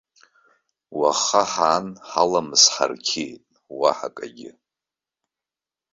Уаха ҳаан, ҳаламыс ҳарқьиеит, уаҳа акгьы.